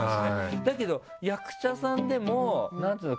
だけど役者さんでも何つうの？